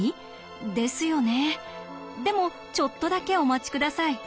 でもちょっとだけお待ち下さい。